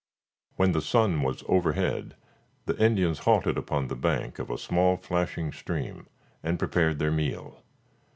When the sun was overhead, the Indians halted upon the bank of a small flashing stream, and prepared their meal.